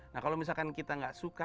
nah kalau misalkan kita nggak suka